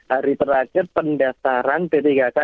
hari terakhir pendaftaran p tiga k